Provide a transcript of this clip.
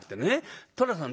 寅さん